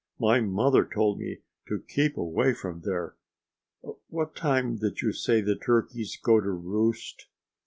"My mother told me to keep away from there. ... What time did you say the turkeys go to roost?"